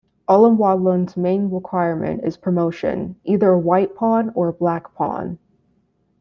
Allumwandlung's main requirement is promotion, either a white pawn or a black pawn.